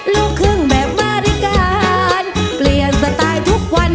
ลูกเครื่องแบบบริการเปลี่ยนสไตล์ทุกวัน